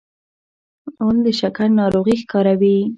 غول د شکر ناروغي ښکاروي.